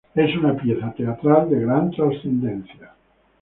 Es una pieza teatral de gran transcendencia.